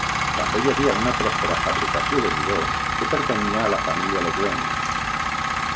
També hi havia una pròspera fabricació de midó que pertanyia a la família Legrain.